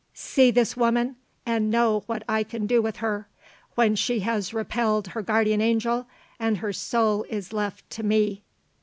"See this woman, and know what I can do with her, when she has repelled her guardian angel, and her soul is left to ME."